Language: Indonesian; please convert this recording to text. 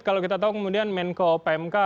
kalau kita tahu kemudian menko pmk